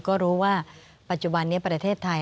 ก็รู้ว่าปัจจุบันนี้ประเทศไทย